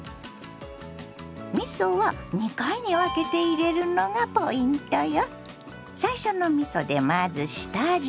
みそは２回に分けて入れるのがポイントよ。